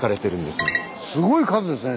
すごい数ですね